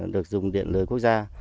được dùng điện lưới quốc gia